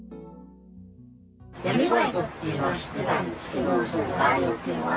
闇バイトっていうのは知ってたんですけど、そういうのがあるよっていうのは。